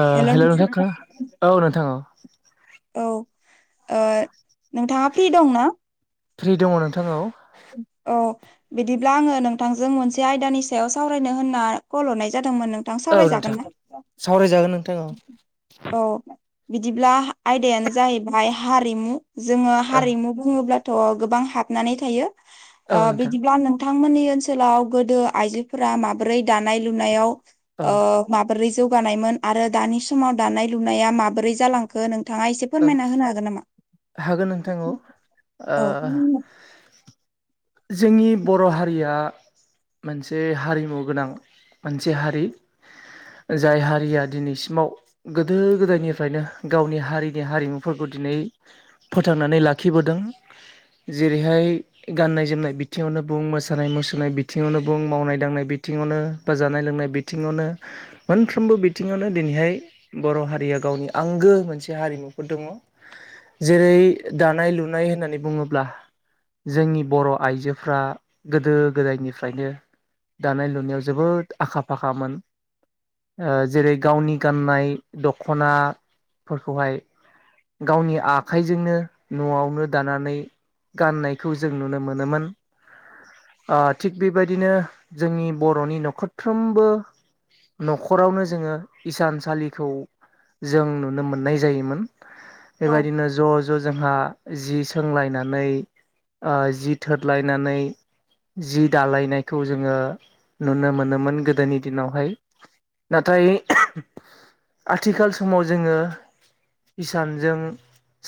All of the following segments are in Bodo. आ हेल' नोंथां खोना औ नोंथां औ। औ आ नोंथाङा फ्रि दंना? फ्रि दङ नोंथां औ। औ। बिदिब्ला आङो नोंथांजों मोनसे आयदानि सायाव सावरायनो होनना कल हरनाय जादोंमोन नों थां औ नोंथां सावरायजागोनना? सावरायजागोन नोंथां औ औ बिदिब्ला आयदायानो जाहैबाय हारिमु। जोङो औ हारिमु बुङोब्लाथ' गोबां हाबनानै थायो। औ आ नोंथां बिदिब्ला नोंथांमोननि ओनसोलाव गोदो आइजोफोरा माबोरै दानाय लुनायाव औ ओ माबोरै जौगानायमोन आरो दानि समाव दानाय लुनाया माबोरै जालांखो नोंथाङा एसे औ फोरमायना होनो हागोन नामा? हागोन नोंथां औ औ। ओ जोंनि बर' हारिया मोनसे हारिमु गोनां मोनसे हारि। जाय हारिया दिनैसिमाव गोदो गोदायनिफ्रायनो गावनि हारिनि हारिमुफोरखौ दिनै फोथांनानै लाखिबोदों। जेरैहाय गाननाय जोमनाय बिथिङावनो बुं, मोसानाय मुसुरनाय बिथिङावनो बुं, मावनाय दांनाय बिथिङावनो बा जानाय लोंनाय बि थिङावनो मोनफ्रोमबो बिथिङावनो दिनैहाय बर' हारिया गावनि आंगो मोनसे हारिमुफोर दङ। जेरै दानाय लुनाय होननानै बुङोब्ला जोंनि बर' आइजोफ्रा गोदो गोदायनिफ्रायनो दानाय लुनायाव जोबोद आखा फाखामोन। जेरै गावनि गाननाय दख'नाफोरखौहाय गावनि आखाइजोंनो न'आवनो दानानै गाननायखौ जों नुनो मोनोमोन। थिग बेबायदिनो जोंनि बर'नि न'खरफ्रोमबो न'खरावनो जोङो इसानसालिखौ जों नुनो मोननाय जायोमोन। औ बेबायदिनो ज' ज' जोंहा जि सोंलायनानै ओ जि थोरलायनानै जि दालायनायखौ जोङो नुनो मोनोमोन गोदोनि दिनावहाय। नाथाय आथिखाल समाव जोङो हिसानजों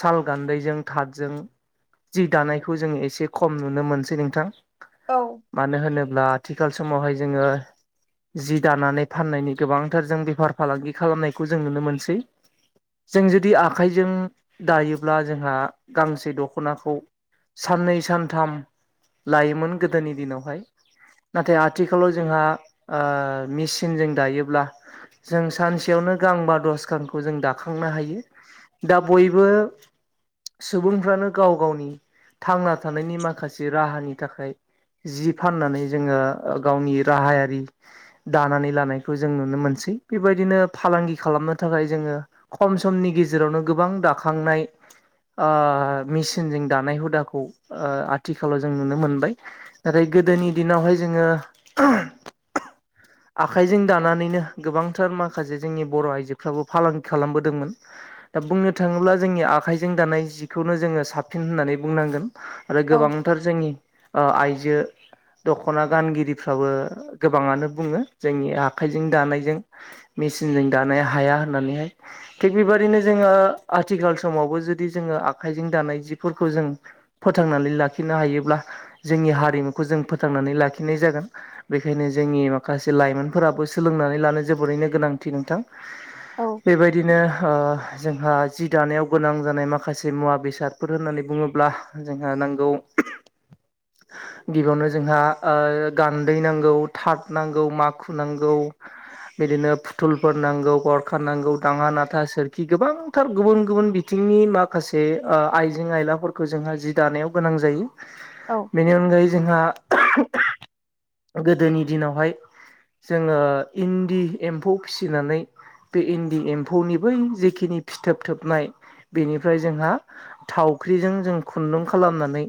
साल गान्दैजों थातजों जि दानाय खौ जों एसे खम नुनो मोनसै नोंथां औ मानो होनोब्ला आथिखाल समावहाय जोङो जि दानानै फाननायनि गोबांथार जों बेफार फालांगि खालामनायखौ जों नुनो मोनसै। जों जुदि आखाइजों दायोब्ला जोंहा गांसे दख'नाखौ साननै सानथाम लायोमोन गोदोनि दिनावहाय नाथाय आथिखालाव जोंहा आ मेसिनजों दायोब्ला जों सानसेयावनो गांबा दसखानखौ जों दाखांनो हायो। दा बयबो सुबुंफ्रानो गाव गावनि थांना थानायनि माखासे राहानि थाखाय जि फाननानै जोङो गावनि राहायारि दानानै लानायखौ जों नुनो मोनसै बेबायदिनो फालांगि खालामनो थाखाय जोङो खम समनि गेजेरावनो गोबां दाखांनाय ओ मेसिनजों दानाय हुदाखौ आथिखालाव जों नुनो मोनबाय नाथाय गोदोनि दिनावहाय जोङो [inaudible] आखाइजों दानानैनो गोबांथार माखासे जोंनि बर' आइजोफ्राबो फालांगि खालामबोदोंमोन। दा बुंनो थाङोब्ला जोंनि आखाइजों दानाय जिखौनो जोङो साब सिन होननानै बुंनांगोन आरो औ गोबांथार जोंनि आइजो दख'ना गानगिरिफ्राबो गोबाङानो बुङो जोंनि आखाइजों दानायजों मेसिनजों दानाया हाया होननानैहाय थिग बेबायदिनो जोङो आथिखाल समावबो जुदि जोङो आखाइजों दानाय जिफोरखौ जों फोथांनानै लाखिनो हायोब्ला जोंनि हारिमुखौ जों फोथांनानै लाखिनाय जागोन। बेखायनो जोंनि माखासे लाइमोनफोराबो सोलोंनानै लानो जोबोरैनो गोनांथि नोंथां। औ बेबायदिनो जोंहा जि दानायाव गोनां जानाय माखासे मुवा बेसाद फोर होननानै बुङोब्ला जोंहा नांगौ [inaudible] गिबियावनो जोंहा गान्दै नांगौ ताद नांगौ माखु नांगौ बिदिनो फुथुलफोर नांगौ गरखा नांगौ दाङा नाथा सोरखि गोबां थार गुबुन गुबुन बिथिंनि माखासे आइजें-आयलाफोरखौ जोंहा जि दानायाव गोनां जायो औ बेनि अनगायै जोंहा गोदोनि दिनावहाय जोङो इन्दि एम्फौ फिसिनानै बे इन्दि एम्फौनि बै जेखिनि फिथोब थोबनाय बेनिफ्राय जोंहा थावख्रिजों जों खुन्दुं खालामनानै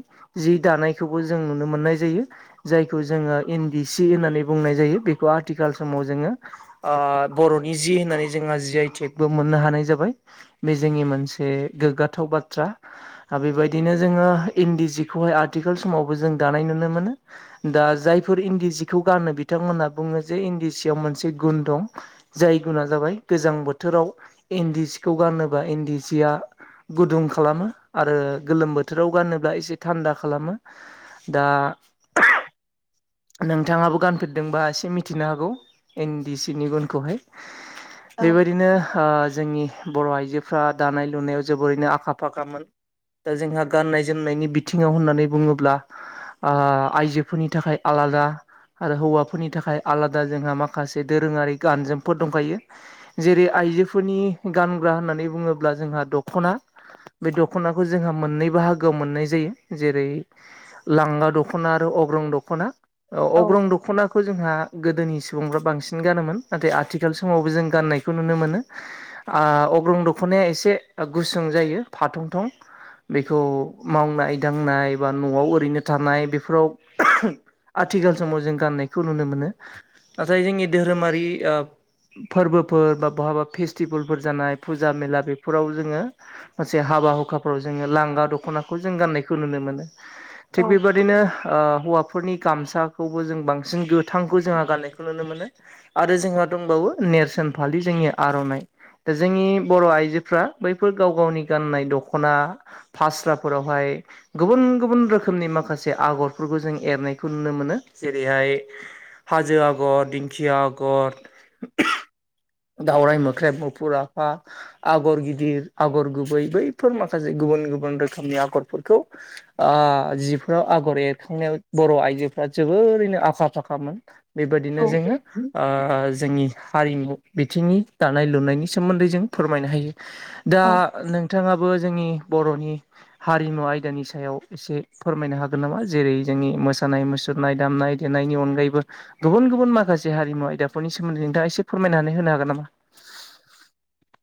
जि दानायखौबो जों नुनो मोननाय जायो। जायखौ जोङो इन्दि सि होननानै बुंनाय जायो बेखौ आथिखाल समाव जोङो बर'नि जि होननानै जोंहा जि आइ टेकबो मोननो हानाय जाबाय। बे जोंनि मोनसे गोग्गाथाव बा थ्रा आरो बेबायदिनो जोङो इन्दि जिखौहाय आथिखाल समावबो जों दानाय नुनो मोनो दा जायफोर इन्दि सिखौ गानो बिथांमोनहा बुङो जे इन्दि सियाव मोनसे गुन दं जाय गुना जाबाय गोजां बोथोराव इन्दि जिखौ गानोबा इन्दि जिया गुदुं खा लामो आरो गोलोम बोथोराव गानोब्ला एसे थान्दा खालामो दा नोंथाङाबो गानफेरदोंबा एसे मिथिनो हागौ एन डि सिनि गुनखौहाय औ बेबायदिनो जोंनि बर' आइजोफ्रा दानाय-लुनायाव जोबोरैनो आखा फाखामोन। दा जोंहा गाननाय-जोमनायनि बिथिङाव होननानै बुङोब्ला आइजोफोरनि थाखाय आलादा आरो हौवाफोरनि थाखाय आलादा जोंहा माखासे दोरोङारि गान जोमफोर दंखायो। जेरै आइजोफोरनि गानग्रा होननानै बुङोब्ला जोंहा दख'ना। बे दख'नाखौ जोंहा मोननै बाहागोआव मोननाय जायो जेरै लांगा दख'ना आरो अग्रं दख'ना औ अग्रं दख'ना खौ जोंहा गोदोनि सुबुंफ्रा बांसिन गानोमोन नाथाय आथिखाल समावबो जों गाननायखौ नुनो मोनो। ओ अग्रं दख'नाया एसे गुसुं जायो फाथं थं। बेखौ मावनाय दांनाय बा न'आव ओरैनो थानाय बेफोराव आथिखाल समाव जों गान्नायखौ नुनो मोनो नाथाय जोंनि धोरोमारि ओ फोरबोफोर बा बहाबा फेस्टिभेलफोर जानाय फुजा मेला बेफोराव जोङो हाबा हुखाफोराव जोङो लांगा दख'नाखौ जों गान्नायखौ नुनो मोनो। औ थिग बेबायदिनो ओ हौवाफोरनि गामसाखौबो जों बांसिन गो थांखौ जोंहा गाननायखौ नुनो मोनो आरो जोंहा दंबावो नेरसोन फालि जोंनि आर'नाइ। दा जोंनि बर' आइजोफ्रा बैफोर गाव गावनि गाननाय दख'ना फास्राफोरावहाय गुबुन गुबुन रोखोमनि माखासे आगरफोरखौ जों एरनाय खौ नुनो मोनो जेरैहाय हाजो आगर दिंखिया आगर दावराय मोख्रेब मुफुर आफा आगर गिदिर आगर गुबै बैफोर माखासे गुबुन गुबुन रोखोमनि आगरफोरखौ ओ जिफोराव आगर एरखांनायाव बर' आइ जोफ्रा जोबोरैनो आखा फाखामोन बेबायदिनो जोङो औ ओ जोंनि हारिमु बिथिंनि दानाय लुनायनि सोमोन्दै जों फोरमायनो हायो। दा नोंथाङाबो जोंनि बर'नि हारिमु आयदानि सायाव एसे फोरमायनो हागोन नामा जेरै जोंनि मोसा सानाय मुसुरनाय दामनाय देनायनि अनगायैबो गुबुन गुबुन माखासे हारिमु आयदाफोरनि सोमोन्दै नोंथाङा एसे फोरमायनानै होनो हागोन नामा? [inaudible]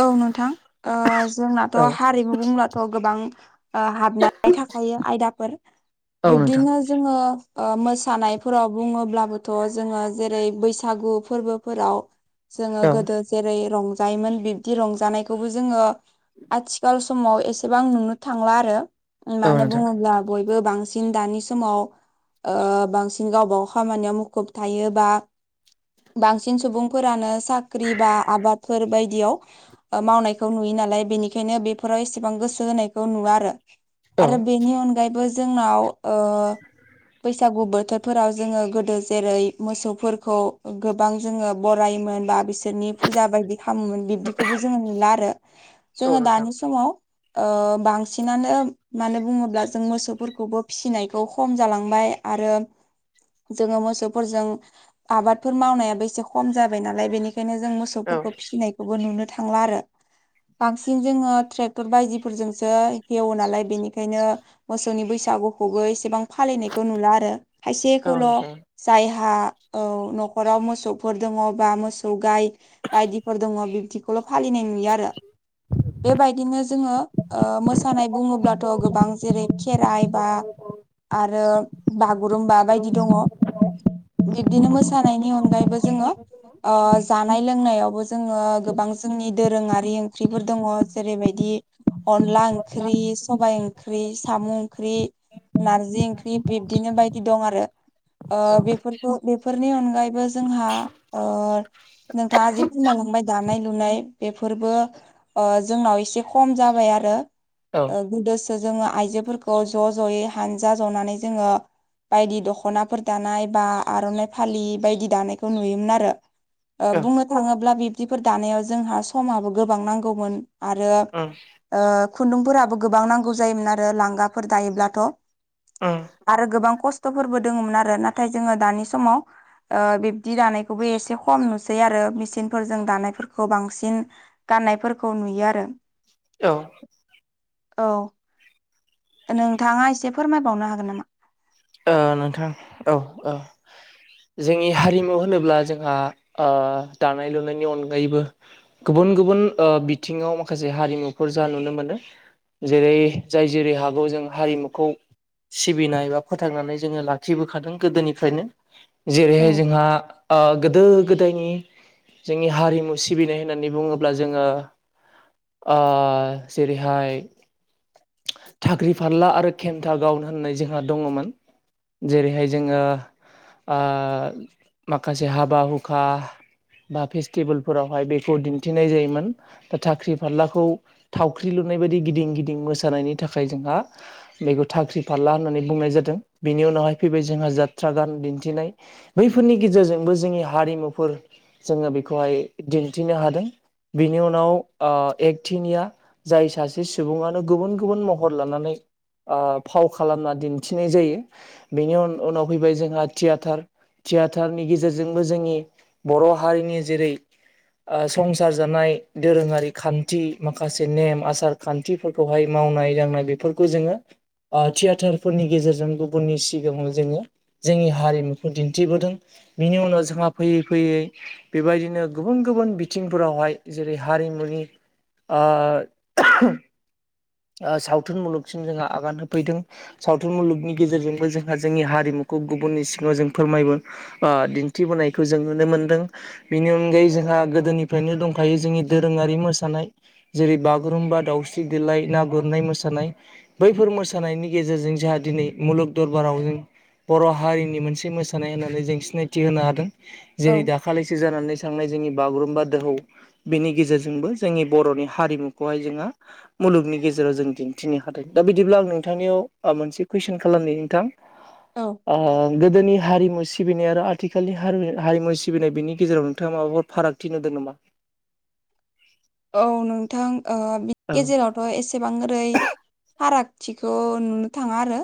औ नोंथां ओ जोंनाथ' औ हारिमु बुंब्लाथ' गोबां ओ हाबनानै थाखायो आयदाफोर औ नोंथां बिब्दिनो जोङो ओ मोसानायफोराव बुङोब्लाबोथ' जोङो जेरै बैसागु फोरबोफोराव जोङो औ गोदो जेरै रंजायोमोन बिब दि रंजानायखौबो जोङो आथिखाल समाव एसेबां नुनो थांला आरो। औ मानो नोंथां बुङोब्ला बयबो बांसिन दानि समाव ओ बांसिन गावबागाव खामानियाव मुखुब थायोबा बांसिन सुबुंफोरानो साख्रि बा आबादफोर बायदियाव ओ मावनायखौ नुयो नालाय बेनिखायनो बेफोराव एसेबां गोसो होनायखौ नुवा आरो। औ आरो बेनि अनगायैबो जोंनाव ओ बैसागु बोथोरफोराव जोङो गोदो जेरै मोसौफोरखौ गोब बां जोङो बरायोमोन बा बिसोरनि फुजा बायदि खामोमोन बिब खौबो जोङो नुला आरो औ जोङो नोंथां दानि समाव ओ बांसिनानो मानो बुङोब्ला जों मोसौफोरखौबो फिसिनायखौ खम जालांबाय। आरो जोङो मोसौफोरजों आबादफोर मावनायाबो एसे खम जाबाय नालाय बेनि खायनो जों औ मोसौफोरखौ फिसिनायखौबो नुनो थांला आरो। बांसिन जोङो ट्रेक्टर बायदिफोरजोंसो हेवो नालाय बेनिखायनो मोसौनि बैसागुखौबो एसेबां फालिनायखौ नुला आरो औ खायसेखौल' नोंथां औ जायहा औ न'खराव मोसौफोर दङ बा मोसौ गाय बायदिफोर दङ बिब्दिखौल' फालिनाय नुयो आरो बेबायदिनो जोङो ओ मोसानाय बुङोब्लाथ' गोबां जेरै खेराइ बा आरो बागुरुम्बा बायदि दङ। बिब्दिनो मोसानायनि अनगायैबो जोङो ओ जानाय लोंनायावबो जोङो गोबां जोंनि दोरोङारि ओंख्रिफोर दङ जेरैबायदि अनला ओंख्रि, सबाइ ओंख्रि, साम' ओंख्रि, नार्जि ओंख्रि बिबदिनो बायदि दं आरो। ओ बेफोरखौ बेफोरनि अनगायैबो जोंहा ओ नोंथाङा जि फोरमायलांबाय दानाय लुनाय बेफोरबो जोंनाव एसे खम जाय आरो। गोदोसो जोङो आइजोफोरखौ ज' ज'यै हानजा जनानै जोङो बायदि दख'नाफोर दानाय बा आर'नाइ फालि बायदि दानायखौ नुयोमोन आरो। ओ औ बुंनो थाङोब्ला बिब्दिफोर दानायाव जोंहा समाबो गोबां नांगौमोन। आरो उम। ओ खुन्दुंफोराबो गोबां नांगौ जायोमोन आरो लांगाफोर दायोब्लाथ'। औ आरो गोबां खस्थ'फोरबो दङमोन आरो नाथाय जोङो दानि समाव ओ बिब्दि दानायखौबो एसे खम नुसै आरो मेसिनफोरजों दानाय फोरखौ बांसिन गाननायफोरखौ नुयो आरो। औ। औ नोंथाङा एसे फोरमायबावनो हागोन नामा? ओ नोंथां औ औ। जोंनि हारिमु होनोब्ला जोंहा ओ दानाय लुनायनि अनगायैबो गुबुन गुबुन ओ बिथिङाव माखासे हारिमुफोर जा नुनो मोनो जेरै जाय जेरै हागौ जों हारिमुखौ सिबिनाय बा फोथांनानै जोङो लाखिबोखादों गोदोनिफ्रायनो। औ जेरैहाय जोंहा ओ गोदो गोदायनि जोंनि हारिमु सिबिनाय होननानै बुङोब्ला जोङो आ‌ जेरैहाय थाख्रि फाल्ला आरो खेमथा गाउन होननाय जोंहा दङमोन। जेरैहाय जोङो आ माखासे हाबा हुखा बा फेस्टिभेलफोरावहाय बेखौ दिन्थिनाय जायोमोन। दा थाख्रि फारलाखौ थावख्रि लुनाय बायदि गिदिं गिदिं मोसानायनि थाखाय जोंहा बेखौ थाख्रि फाल्ला होननानै बुंनाय जादों। बेनि उनावहाय फैबाय जोंहा जाथ्रा गान दिन्थिनाय। बैफोरनि गेजेरजोंबो जोंनि हारिमुफोर जोङो बेखौहाय दिन्थिनो हादों। बिनि उनाव ओ एकटिनिया जाय सासे सुबुङानो गुबुन गुबुन महर लानानै ओ फाव खालामना दिन्थिनाय जायो। बेनि उन-उनाव फैबाय जोंहा थियाटार। थियाटारनि गेजेरजोंबो जोंनि बर हारिनि जेरै ओ संसार जानाय दोरोङारि खान्थि माखासे नेम आसार खान्थिफोरखौहाय मावनाय दांनाय बेफोरखौ जोङो ओ थियाटारफोरनि गेजेरजों गुबुननि सिगाङाव जोङो जोंनि हारिमुखौ दिन्थिबोदों। बिनि उनाव जोंहा फैयै फैयै बेबायदिनो गुबुन गुबुन बिथिंफोरावहाय जेरै हारिमुनि ओ ओ सावथुन मुलुगसिम जोंहा आगान होफैदों। सावथुन मुलुगनि गेजेरजोंबो जोंहा जोंनि हारिमुखौ गुबुननि सिङाङाव जों फोरमायबो ओ दिन्थिबोनायखौ जों नुनो मोनदों। बेनि अनगायै जोंहा गोदोनिफ्रायनो दंखायो जोंनि दोरोङारि मोसानाय। जेरै बागुरुम्बा दाउस्रि देलाय ना गुरनाय मोसानाय बैफोर मोसानायनि गेजेरजों जोंहा दिनै मुलुग दरबाराव जों बर हारिनि मोनसे मोसानाय होननानै जों सिनायथि होनो हादों। औ जेरै दाखालैसो जानानै थांनाय जोंनि बागुरुम्बा दोहौ। बेनि गेजेरजोंबो जोंनि बरनि हारिमुखौहाय जोंहा मुलुगनि गेजेराव जों दिन्थिनो हादों। दा बिदिब्ला आं नोंथांनियाव आ मोनसे कुइसन खालामनि नोंथां। औ ओ गोदोनि हारिमु सि सिबिनाय आरो आथिखालनि हारि हारिमु सिबिनाय बिनि गेजेराव नोंथाङा माबाफोर फारागथि नुदों नामा? औ नोंथां ओ बिनि औ गेजेराव बो एसेबां ओरै फारागथिखौ नुनो थाङा आरो।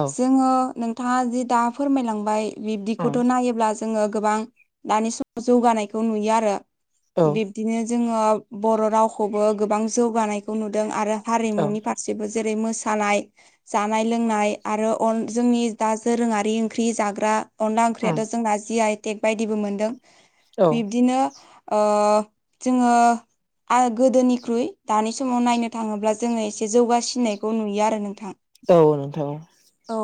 औ जोङो नोंथाङा जि दा फोरमायलांबाय बिब्दिखौथ' औ नायोब्ला जो ङो गोबां दानि समाव जौगानायखौ नुयो आरो। बिब्दिनो जोङो बर रावखौबो गोबां जौगानायखौ नुदों आरो औ हारिमुनि फारसेबो जेरै मोसानाय। जानाय लोंनाय आरो अन जोंनि दा जोरोङारि ओंख्रि जाग्रा। अनला ओंख्रियाथ जोंना जि आइ टेक बायदिबो मोनदों। औ बिब्दिनो ओ जोङो आ‌ गोदोनिख्रुइ दानि समाव नायनो थाङोब्ला जोङो एसे जौगासिननायखौ नुयो आरो नोंथां। औ नोंथां औ। औ।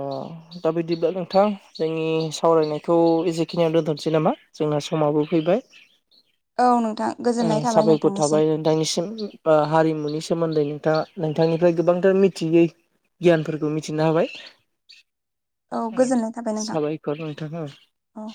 अह। दा बिदिब्ला नोंथां जोंनि सावरायनायखौ ए जेखिनियाव दोनथ'नोसै नामा जोंना समाबो फैबाय? औ नोंथां। ओ गोजोननाय थाबाय साबायखर नोंथांनिसिम थाबाय नोंथांनिसिम। हारिमुनि सोमोन्दै नोंथाङा नोंथांनिफ्राय गोबांथार मिथियै। गियानफोरखौ मिथिनो हाबाय औ गोजोननाय थाबाय नोंथां साबायखर नोंथाङा। औ।